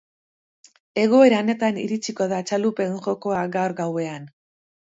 Egoera honetan iritsiko da txalupen jokoa, gaur gauean.